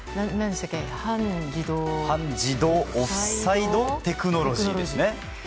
半自動オフサイドテクノロジーですね。